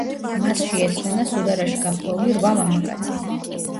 მასში ესვენა სუდარაში გახვეული რვა მამაკაცი.